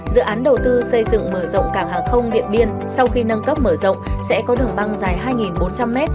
dự án đầu tư xây dựng mở rộng cảng hàng không điện biên sau khi nâng cấp mở rộng sẽ có đường băng dài hai bốn trăm linh m